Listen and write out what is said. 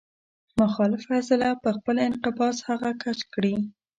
مخالفه عضله په خپل انقباض هغه کش کړي.